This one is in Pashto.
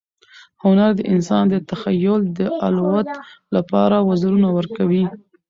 هنر د انسان د تخیل د الوت لپاره وزرونه ورکوي.